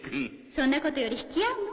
そんなことより引き合うの？